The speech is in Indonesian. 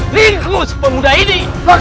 lingkus pemuda ini